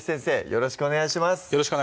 よろしくお願いします